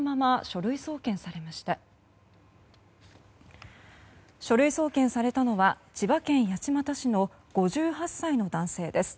書類送検されたのは千葉県八街市の５８歳の男性です。